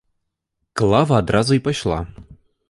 Клава адразу і пайшла.